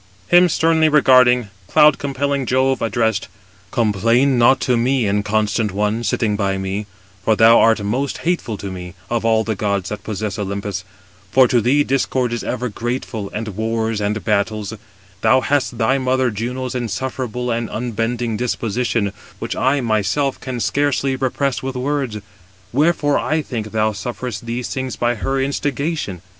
Him sternly regarding, cloud compelling Jove addressed: "Complain not to me, inconstant one, sitting by me: for thou art most hateful to me, of all the gods that possess Olympus: for to thee discord is ever grateful, and wars and battles: thou hast thy mother Juno's insufferable and unbending disposition, which I myself can scarcely repress with words. Wherefore I think thou sufferest these things by her instigation.